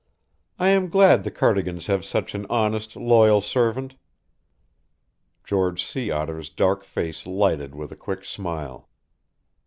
"I am glad the Cardigans have such an honest, loyal servant." George Sea Otter's dark face lighted with a quick smile.